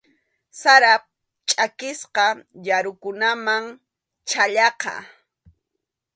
Sarap chʼakisqa yurakunam chhallaqa.